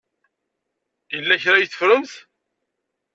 Yella kra ay teffremt?